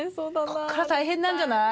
ここから大変なんじゃない？